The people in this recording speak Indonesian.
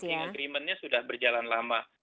agreementnya sudah berjalan lama